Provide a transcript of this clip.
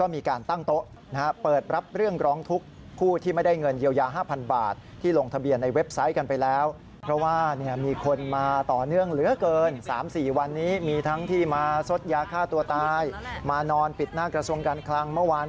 มานอนปิดหน้ากระทรวงการคลังเมื่อวาน